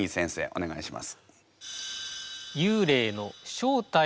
お願いします。